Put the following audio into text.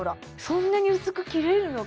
そんなに薄く切れるの？